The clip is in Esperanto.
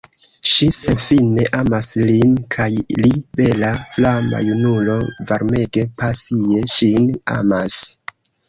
Ŝi senfine amas lin kaj li, bela, flama junulo, varmege, pasie ŝin amas.